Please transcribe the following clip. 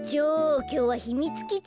きょうはひみつきちいこうよ。